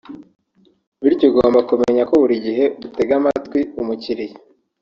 Bityo ugomba kumenya ko buri gihe utega amatwi umukiriya